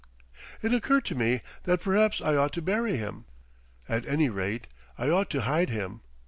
It occurred to me that perhaps I ought to bury him. At any rate, I ought to hide him.